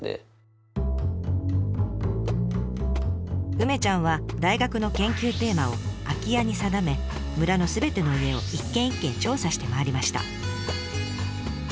梅ちゃんは大学の研究テーマを「空き家」に定め村のすべての家を一軒一軒調査して回りました。